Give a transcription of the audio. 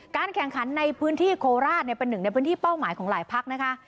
แข่งขันในพื้นที่โคราชเป็นหนึ่งในพื้นที่เป้าหมายของหลายพักนะคะ